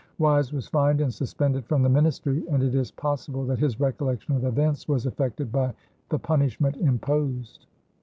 Wise was fined and suspended from the ministry, and it is possible that his recollection of events was affected by the punishment imposed.